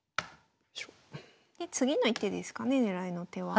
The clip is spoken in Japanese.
で次の一手ですかね狙いの手は。